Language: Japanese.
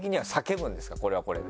これはこれで。